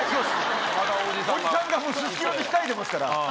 おじさんがススキノで控えてますから。